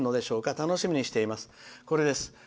楽しみにしています」。